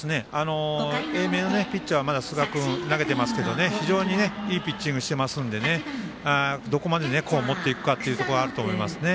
英明のピッチャーは寿賀君投げていますけど非常にいいピッチングしてますのでどこまで持っていくかというのはあると思いますね。